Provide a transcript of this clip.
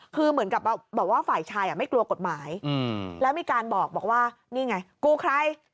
คือเหมือนกับบอกว่าฝ่ายชายไม่กลัวกฎหมายแล้วมีการบอกว่านี่ไงกูใคร